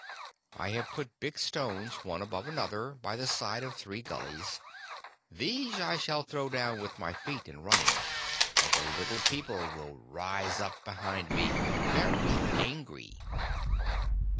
I have put big stones one above the other by the side of three gullies. These I shall throw down with my feet in running, and the Little People will rise up behind me, very angry."